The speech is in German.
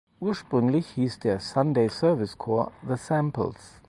Ursprünglich hieß der Sunday Service Choir "The Samples".